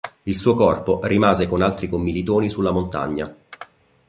Il suo corpo rimase con altri commilitoni sulla montagna.